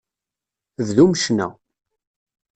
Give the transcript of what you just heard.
Bdum ccna.